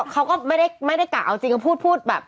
เขาก็ไม่ได้กะเอาจริงก็พูดแบบ